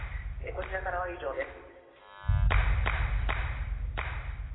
こちらからは以上です。